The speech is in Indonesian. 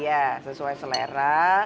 iya sesuai selera